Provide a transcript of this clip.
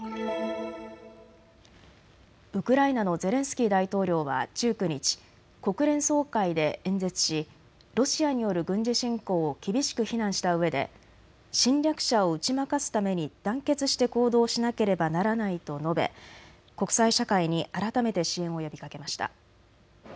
ウクライナのゼレンスキー大統領は１９日、国連総会で演説しロシアによる軍事侵攻を厳しく非難したうえで侵略者を打ち負かすために団結して行動しなければならないと述べ国際社会に改めて支援を呼びかけました。